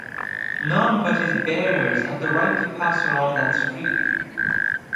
None but his bearers had the right to pass along that street.